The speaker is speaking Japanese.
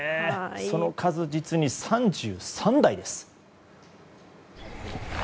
その数、実に３３台です。